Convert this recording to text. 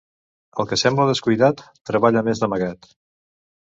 El que sembla descuidat, treballa més d'amagat.